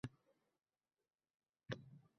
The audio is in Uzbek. To‘yim to‘rt marta qoldirildi